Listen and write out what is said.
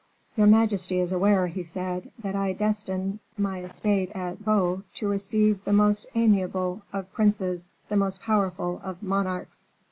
"Your majesty is aware," he said, "that I destine my estate at Vaux to receive the most amiable of princes, the most powerful of monarchs."